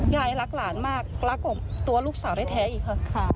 ยายรักหลานมากรักของตัวลูกสาวแท้อีกค่ะ